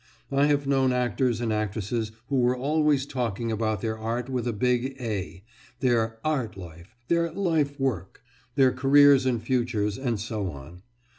I have known actors and actresses who were always talking about their art with a big A, their "art life," their "life work," their careers and futures, and so on.